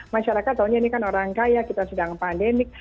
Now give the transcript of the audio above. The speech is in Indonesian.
masyarakat taunya ini kan orang kaya kita sedang pandemik